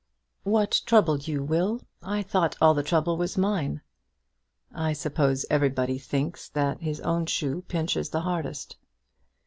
"What troubled you, Will? I thought all the trouble was mine." "I suppose everybody thinks that his own shoe pinches the hardest."